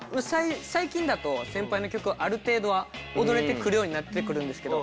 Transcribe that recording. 最近だと先輩の曲をある程度は踊れてくるようになってくるんですけど。